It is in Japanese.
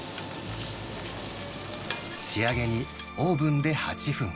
仕上げにオーブンで８分。